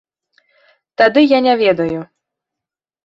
Тады я не ведаю.